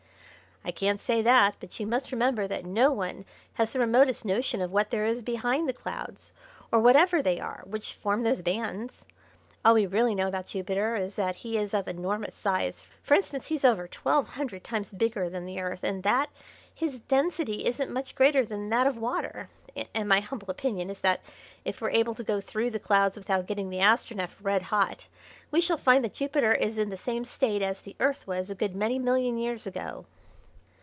"I can't say that, but you must remember that no one has the remotest notion of what there is behind the clouds or whatever they are which form those bands. All we really know about Jupiter is that he is of enormous size, for instance, he's over twelve hundred times bigger than the Earth and that his density isn't much greater than that of water and my humble opinion is that if we're able to go through the clouds without getting the Astronef red hot we shall find that Jupiter is in the same state as the Earth was a good many million years ago."